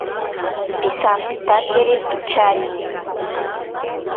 Pisampitakeri picharine.